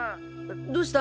どうした？